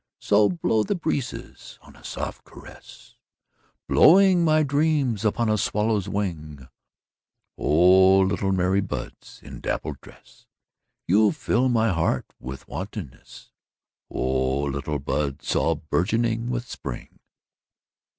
So blow the breezes in a soft caress, Blowing my dreams upon a swallow's wing;O little merry buds in dappled dress, You fill my heart with very wantonness—O little buds all bourgeoning with Spring!